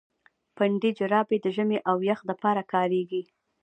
پنډي جراپي د ژمي او يخ د پاره کاريږي.